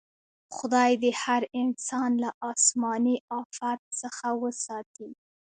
خدای دې هر انسان له اسماني افت څخه وساتي.